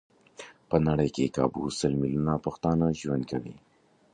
په نړۍ کې کابو سل ميليونه پښتانه ژوند کوي.